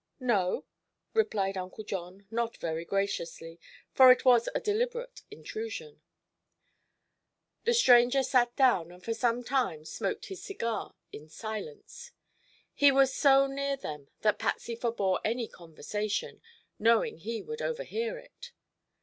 "No," replied Uncle John, not very graciously, for it was a deliberate intrusion. The stranger sat down and for a time smoked his cigar in silence. He was so near them that Patsy forbore any conversation, knowing he would overhear it.